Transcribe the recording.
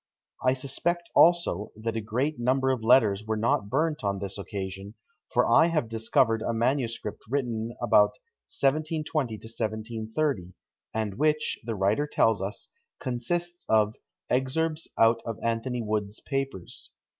I suspect also, that a great number of letters were not burnt on this occasion; for I have discovered a manuscript written about 1720 to 1730, and which, the writer tells us, consists of "Excerpts out of Anthony Wood's papers."